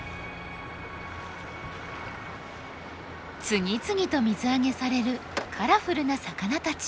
次々と水揚げされるカラフルな魚たち。